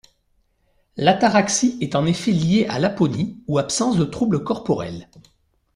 L'ataraxie est en effet liée à l'aponie ou absence de troubles corporels.